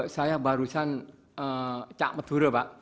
saya barusan cak meduro pak